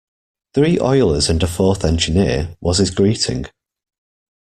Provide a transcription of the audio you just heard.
Three oilers and a fourth engineer, was his greeting.